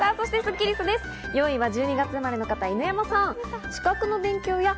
４位は１２月生まれの方、犬山さん。